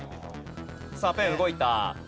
さあペン動いた。